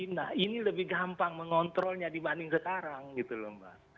nah ini lebih gampang mengontrolnya dibanding sekarang gitu loh mbak